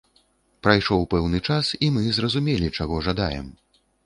Прайшоў пэўны час і мы зразумелі чаго жадаем.